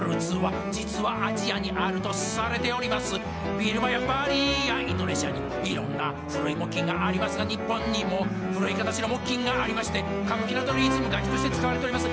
ビルマやバリやインドネシアにいろんな古い木琴がありますが日本にも古い形の木琴がありまして歌舞伎などでリズム楽器として使われております